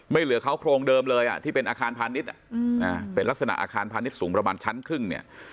เหลือเขาโครงเดิมเลยที่เป็นอาคารพาณิชย์เป็นลักษณะอาคารพาณิชย์สูงประมาณชั้นครึ่งเนี่ย